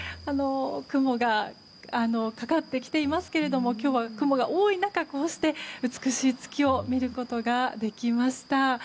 雲がかかってきていますけども今日は雲が多い中こうして美しい月を見ることができました。